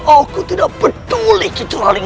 aku tidak peduli kecuali